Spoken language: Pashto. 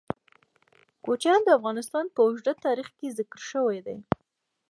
کوچیان د افغانستان په اوږده تاریخ کې ذکر شوی دی.